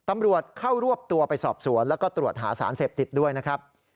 ตำรวจเข้ารวบตัวไปสอบสวนแล้วก็ตรวจหาสารเสพติดด้วยนะครับ